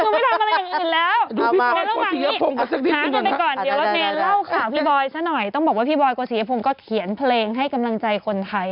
มาสองทีตอนนั้นต้องวอกว่าบอยก็สีผมก็เขียนเพลงให้กำลังใจคนไทย